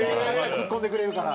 ツッコんでほしいから？